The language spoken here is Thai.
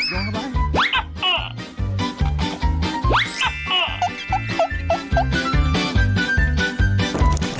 อยากเข้าไป